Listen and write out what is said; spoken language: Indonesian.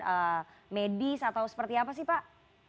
protokol medis atau seperti apa sih pak